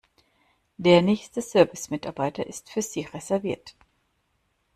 Der nächste Service-Mitarbeiter ist für Sie reserviert.